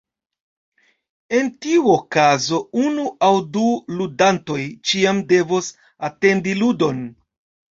En tiu okazo, unu aŭ du ludantoj ĉiam devos atendi ludon.